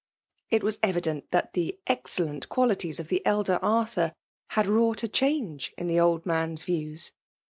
It was evi* dent thatjthe exodUent qualities of the elder AsAm had wfooght a change in the old man s views.